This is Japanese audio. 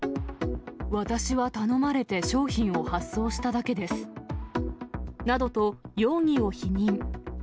私は頼まれて商品を発送したなどと容疑を否認。